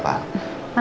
makasih ya pak